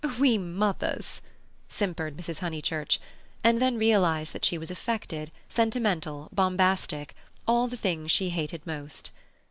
"We mothers—" simpered Mrs. Honeychurch, and then realized that she was affected, sentimental, bombastic—all the things she hated most.